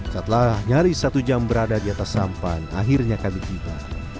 setelah nyaris satu jam berada di atas sampan akhirnya kami tiba